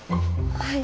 はい。